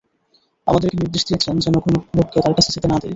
আমাদেরকে নির্দেশ দিয়েছেন যেন কোন লোককে তার কাছে যেতে না দিই।